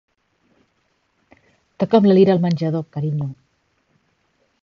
Toca'm la lira al menjador, carinyo.